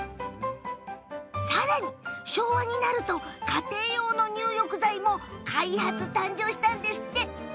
さらに昭和になると家庭用の入浴剤も開発誕生したんですって。